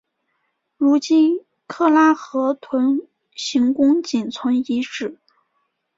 如今喀喇河屯行宫仅存遗址。